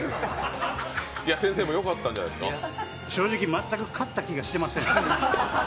正直全く勝った気がしてません。